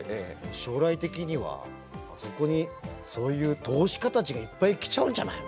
将来的にはあそこにそういう投資家たちがいっぱい来ちゃうんじゃないの？